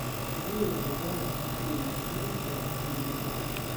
vi elrigardas, kiel vidinto de spiritoj!